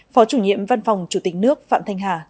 phó chủ nhiệm văn phòng chủ tịch nước phạm thanh hà